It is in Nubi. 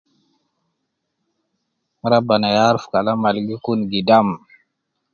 Rabbana ya aruf kalam al gi kun gidam